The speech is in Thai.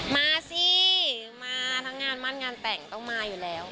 มาสิมาทั้งงานมั่นงานแต่งต้องมาอยู่แล้ว